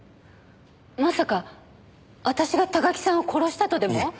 まさか私が高木さんを殺したとでも？